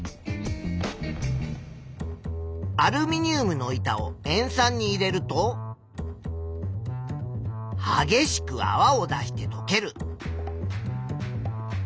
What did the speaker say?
アルミニウムの板を塩酸に入れるとはげしくあわを出してとける。